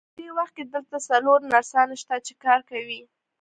په دې وخت کې دلته څلور نرسانې شته، چې کار کوي.